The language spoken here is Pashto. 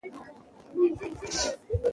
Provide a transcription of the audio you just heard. د مور د لاس ډوډۍ تر ټولو خوږه وي.